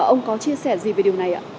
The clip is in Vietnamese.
ông có chia sẻ gì về điều này ạ